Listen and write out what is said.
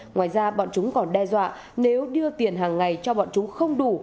ngoài ra bọn chúng còn đe dọa nếu đưa tiền hàng ngày cho bọn chúng không đủ